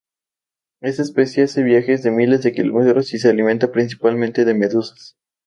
Esta especie hace viajes de miles de kilómetros y se alimenta principalmente de medusas.